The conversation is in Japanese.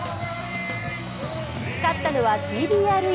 買ったのはＣＢＲＥ。